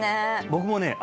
僕もね